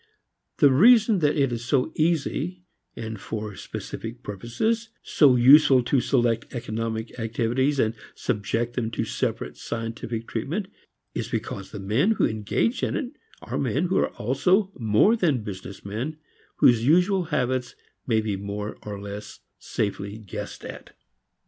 The reason that it is so easy and for specific purposes so useful to select economic activities and subject them to separate scientific treatment is because the men who engage in it are men who are also more than business men, whose usual habits may be more or less safely guessed at.